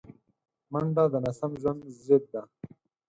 منډه د ناسم ژوند ضد ده